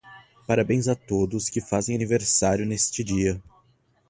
Parabéns a todos que fazem aniversário neste dia.